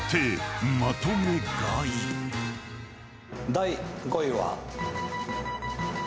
第５位は。